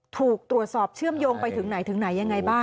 ถูกตรวจสอบเชื่อมโยงไปถึงไหนถึงไหนยังไงบ้าง